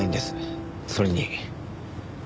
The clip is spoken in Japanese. それに。